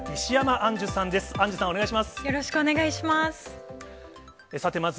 アンジュさん、お願いします。